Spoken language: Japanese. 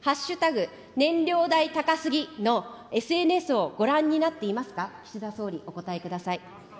燃料代高すぎのＳＮＳをご覧になっていますか、岸田総理、お答えください。